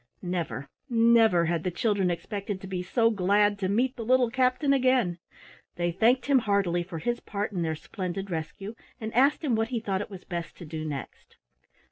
Never, never had the children expected to be so glad to meet the little captain again! They thanked him heartily for his part in their splendid rescue, and asked him what he thought it was best to do next.